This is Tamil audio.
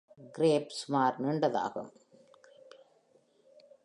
grebe சுமார் நீண்டதாகும்.